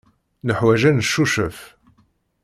Neḥwaj ad neccucef.